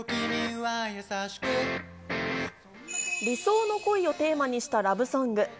理想の恋をテーマにしたラブソング